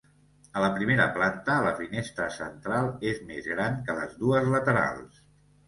A la primera planta la finestra central és més gran que les dues laterals.